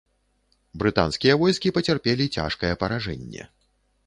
Брытанскія войскі пацярпелі цяжкае паражэнне.